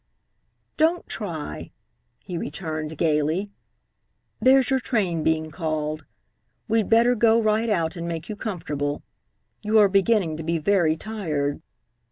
"Don't try," he returned gaily. "There's your train being called. We'd better go right out and make you comfortable. You are beginning to be very tired."